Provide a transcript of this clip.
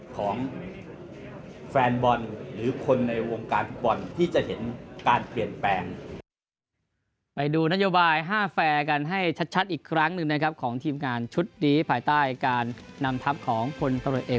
ของแฟนบอลหรือคนในวงการบอล